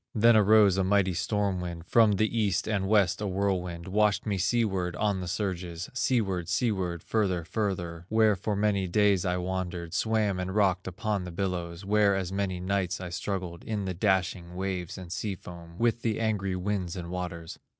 "Then arose a mighty storm wind, From the East and West a whirlwind, Washed me seaward on the surges, Seaward, seaward, further, further, Where for many days I wandered, Swam and rocked upon the billows, Where as many nights I struggled, In the dashing waves and sea foam, With the angry winds and waters.